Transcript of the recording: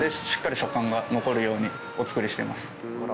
しっかり食感が残るようにお作りしてます。